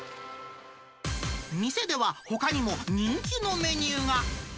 店では、ほかにも人気のメニューが。